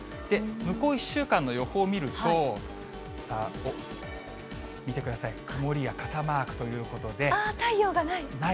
向こう１週間の予報を見ると、さあ、見てください、曇りや傘マ太陽がない。